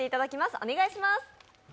お願いします。